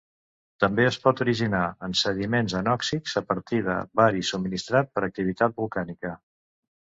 També es pot originar en sediments anòxics a partir de bari subministrat per activitat volcànica.